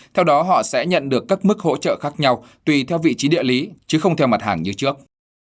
theo đó họ sẽ nhận được các mức hỗ trợ khác nhau tùy theo vị trí địa lý chứ không theo mặt hàng như trước